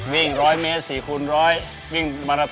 วิ่งร้อยเมฆ๔คูณร้อยวิ่งมาราท้อน